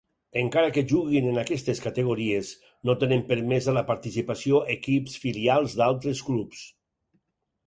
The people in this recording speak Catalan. Encara que juguin en aquestes categories, no tenen permesa la participació equips filials d'altres clubs.